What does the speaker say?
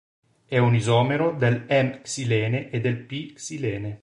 È un isomero del "m"-xilene e del "p"-xilene.